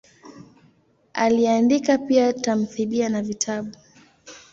Aliandika pia tamthilia na vitabu.